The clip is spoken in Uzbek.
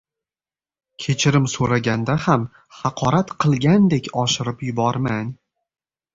Kechirim so‘raganda ham haqorat qilgandagidek oshirib yubormang.